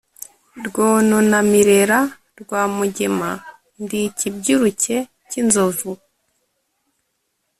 Rwononamirera rwa Mugema, ndi ikibyiruke cy’inzovu,